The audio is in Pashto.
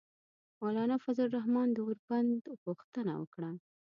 مولانا فضل الرحمان د اوربند غوښتنه وکړه.